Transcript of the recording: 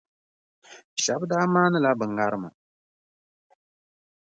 Shɛba daa maanila bɛ ŋarima.